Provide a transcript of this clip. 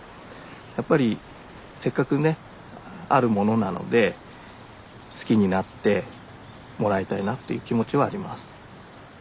やっぱりせっかくねあるものなので好きになってもらいたいなっていう気持ちはあります。